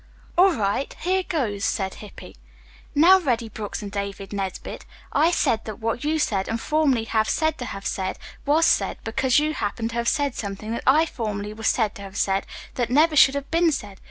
"All right, here goes," said Hippy. "Now Reddy Brooks and David Nesbit, I said, that what you said, and formerly have said to have said, was said, because you happened to have said something that I formerly was said to have said that never should have been said.